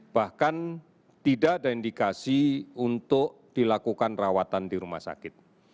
bahkan tidak ada indikasi untuk dilakukan rawatan di rumah sakit